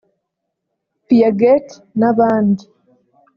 Piaget n’abandi